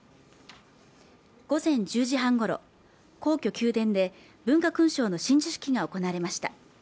午前１０時半ごろ皇居宮殿で文化勲章の親授式が行われました